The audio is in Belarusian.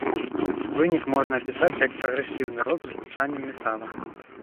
Вынік можна апісаць як прагрэсіўны рок з гучаннем метала.